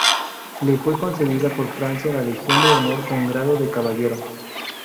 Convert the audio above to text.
Le fue concedida por Francia la Legión de Honor con grado de Caballero.